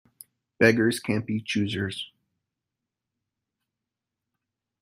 Beggars can't be choosers.